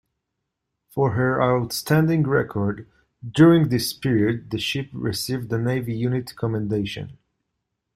For her outstanding record during this period the ship received the Navy Unit Commendation.